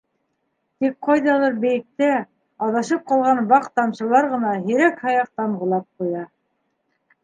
Тик ҡайҙалыр бейектә аҙашып ҡалған ваҡ тамсылар ғына һирәк-һаяҡ тамғылап ҡуя.